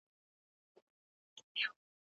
او اوبه یوازې تنده ماتوي او بس